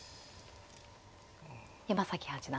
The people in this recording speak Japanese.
山崎八段